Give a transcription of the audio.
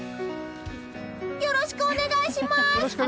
よろしくお願いします！